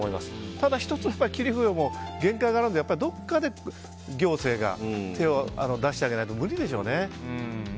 ただ１つ企業にも限界があるのでどこかで行政が手を出してあげないと無理でしょうね。